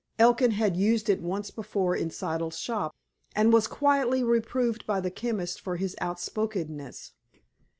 Elkin had used it once before in Siddle's shop, and was quietly reproved by the chemist for his outspokenness.